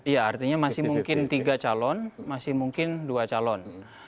ya artinya masih mungkin tiga calon masih mungkin dua calon